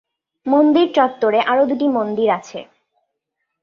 মন্দির চত্বরে আরও দুটি মন্দির আছে।